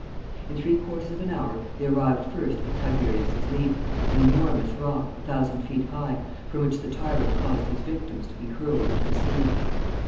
In three quarters of an hour, they arrived first at Tiberius's Leap, an enormous rock, a thousand feet high, from which the tyrant caused his victims to be hurled into the sea.